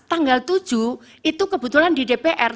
tanggal tujuh itu kebetulan di dpr